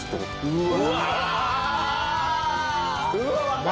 うわ！